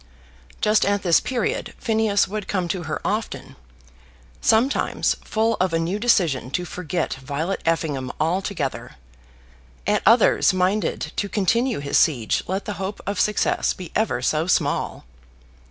Just at this period Phineas would come to her often; sometimes full of a new decision to forget Violet Effingham altogether, at others minded to continue his siege let the hope of success be ever so small.